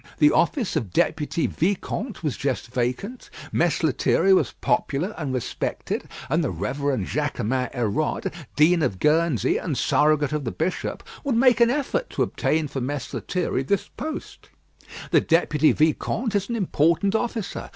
The office of Deputy Vicomte was just vacant. Mess Lethierry was popular and respected, and the Reverend Jaquemin Hérode, Dean of Guernsey and Surrogate of the Bishop, would make an effort to obtain for Mess Lethierry this post. The Deputy Vicomte is an important officer.